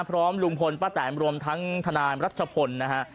พร้อมลุงพลป้าแตนรวมทั้งทนายรัชพลนะฮะ